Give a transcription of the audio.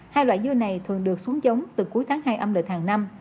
hai loại dưa này thường được xuống giống từ cuối tháng hai âm lịch hàng năm